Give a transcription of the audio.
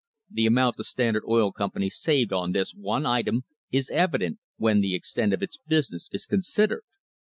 The amount the Standard Oil Company saved on this one item is evident when the extent of its business is considered.